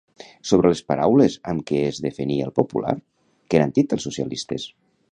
Sobre les paraules amb què es defenia el popular, què n'han dit els socialistes?